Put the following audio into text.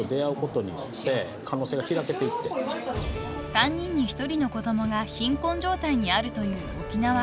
［３人に１人の子供が貧困状態にあるという沖縄］